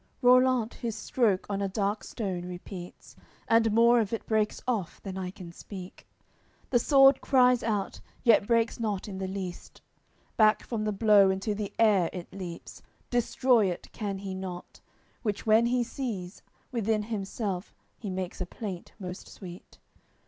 CLXXIII Rollant his stroke on a dark stone repeats, And more of it breaks off than I can speak. The sword cries out, yet breaks not in the least, Back from the blow into the air it leaps. Destroy it can he not; which when he sees, Within himself he makes a plaint most sweet.